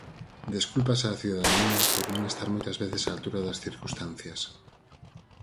Desculpas á cidadanía por non estar moitas veces á altura das circunstancias.